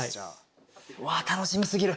うわっ楽しみ過ぎる。